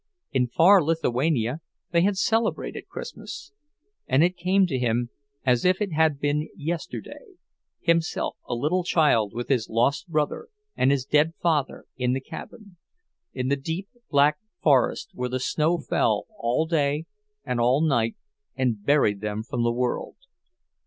In far Lithuania they had celebrated Christmas; and it came to him as if it had been yesterday—himself a little child, with his lost brother and his dead father in the cabin—in the deep black forest, where the snow fell all day and all night and buried them from the world.